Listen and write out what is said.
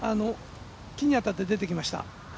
木に当たって出てきました。